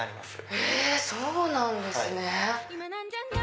えそうなんですね！